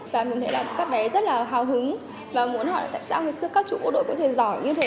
và mình thấy là các bé rất là hào hứng và muốn hỏi là tại sao ngày xưa các chủ bộ đội có thể giỏi như thế